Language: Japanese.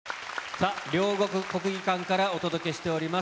さあ、両国国技館からお届けしております。